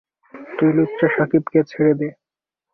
তুই লুচ্চা শাকিবকে ছেড়ে দে!